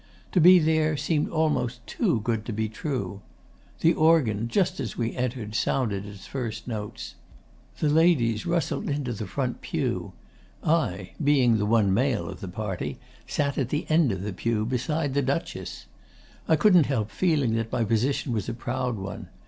To be there seemed almost too good to be true. The organ, just as we entered, sounded its first notes. The ladies rustled into the front pew. I, being the one male of the party, sat at the end of the pew, beside the Duchess. I couldn't help feeling that my position was a proud one.